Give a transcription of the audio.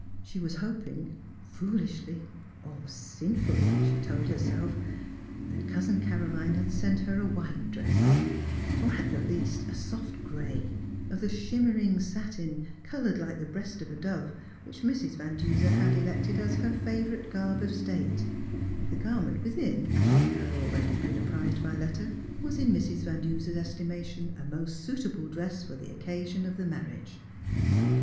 She was hoping, foolishly, almost sinfully (she told her self), that Cousin Caroline had sent her a white dress, — or at the least a soft grey, of the sliimmer ing satin, coloured like the breast of a dove, which Mrs. Van Duser had elected as her favorite garb 56 THE HEAET OF PHILURA of state. The garment within, as she had already been apprised by letter, was, in Mrs. Van Duser's estimation, a most suitable dress for the occasion of the marriage.